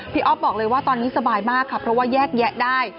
อ๊อฟบอกเลยว่าตอนนี้สบายมากค่ะเพราะว่าแยกแยะได้